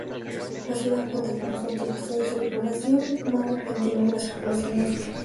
La Ciudad cuenta con las Autopistas de Circunvalación Mar Argentino y la Circunvalación Oeste.